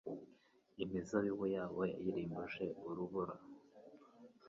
Imizabibu yabo yayirimbuje urubura